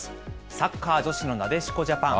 サッカー女子のなでしこジャパン。